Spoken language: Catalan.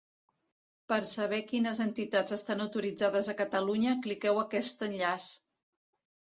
Per a saber quines entitats estan autoritzades a Catalunya cliqueu aquest enllaç.